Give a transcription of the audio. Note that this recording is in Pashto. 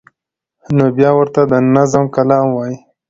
نو بیا ورته د نظم کلام وایی